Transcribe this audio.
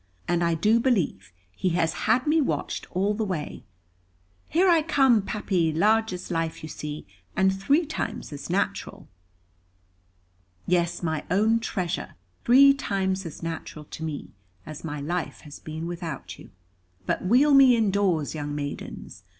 And I do believe he has had me watched all the way. Here I come, Pappy; large as life you see, and three times as natural." "Yes, my own treasure, three times as natural to me, as my life has been without you. But wheel me indoors, young maidens.